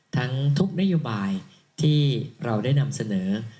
ทั้งทุกนโยบายที่เราได้นำเสนอ